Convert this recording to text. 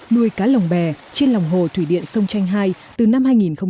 nuôi cá lồng bè trên lòng hồ thủy điện sông tranh hai từ năm hai nghìn một mươi hai